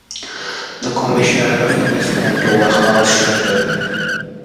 The Commissaire of Police bent over Hanaud's shoulder.